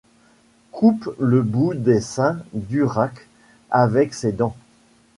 Coupe le bout des seins d'Urraque avec-ses dents ;